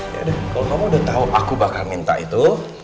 yaudah kalau kamu udah tau aku bakal minta itu